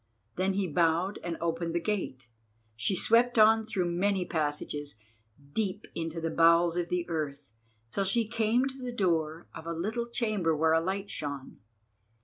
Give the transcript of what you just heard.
Then he bowed and opened the gate. She swept on through many passages, deep into the bowels of the earth, till she came to the door of a little chamber where a light shone.